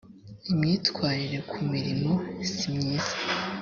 imyitwarire ku murimo simyiza